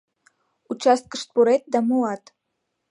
— Участкышт пурет да муат.